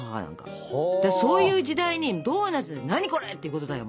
そういう時代にドーナツ何これ！ってことだよ。